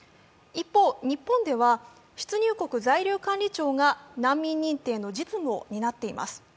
一方、日本では出入国在留管理庁が難民認定の実務を担っています。